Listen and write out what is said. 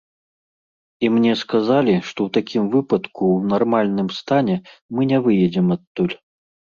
І мне сказалі, што ў такім выпадку ў нармальным стане мы не выйдзем адтуль.